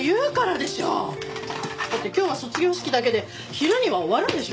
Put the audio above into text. だって今日は卒業式だけで昼には終わるんでしょ？